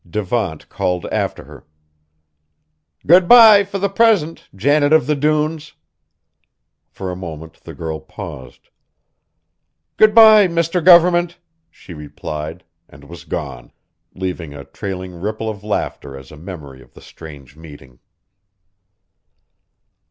Devant called after her. "Good bye, for the present, Janet of the Dunes!" For a moment the girl paused. "Good bye, Mr. Government!" she replied, and was gone, leaving a trailing ripple of laughter as a memory of the strange meeting.